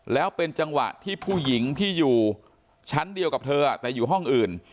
แล้วเป็นจังหวะที่ผู้หญิงที่อยู่ชั้นเดียวกับเธอแต่อยู่ห้องอื่น